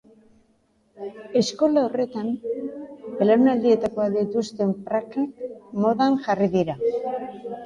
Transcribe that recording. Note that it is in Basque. Eskola horretan belaunetakoak dituzten prakak modan jarri dira.